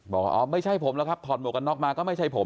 บอกว่าอ๋อไม่ใช่ผมแล้วครับถอดหมวกกันน็อกมาก็ไม่ใช่ผม